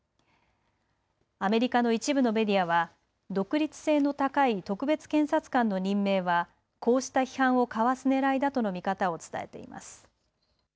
アメリカの一部のメディアは独立性の高い特別検察官の任命はこうした批判をかわすねらいだとの見方を伝えています。